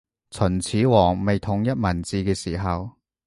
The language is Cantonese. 秦始皇未統一文字嘅時候